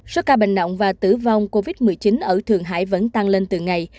số ca bệnh nộng và tử vong covid một mươi chín ở thường hải vẫn tăng lên từ ngày